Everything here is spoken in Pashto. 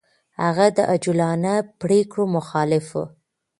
هغه د عجولانه پرېکړو مخالف و.